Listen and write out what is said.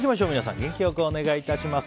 元気よくお願いします。